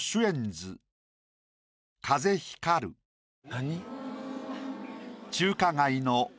何？